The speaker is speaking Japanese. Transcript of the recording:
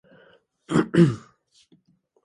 時間がたつのは早い